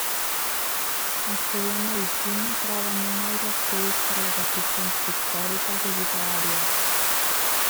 Estudià medicina però abandonà els estudis per les aficions pictòriques i literàries.